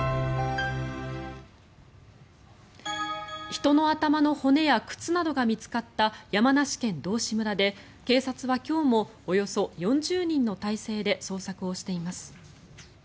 人の頭の骨や靴などが見つかった山梨県道志村で警察は今日もおよそ４０人の態勢で捜索をしています。